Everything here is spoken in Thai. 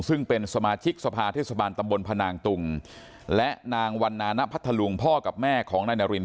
ซึ่งเป็นสมาชิกสภาเทศบาลตำบลพนางตุงและนางวันนานะพัทธลุงพ่อกับแม่ของนายนาริน